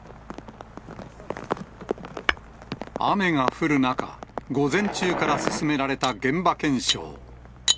雨が降る中、午前中から進められた現場検証。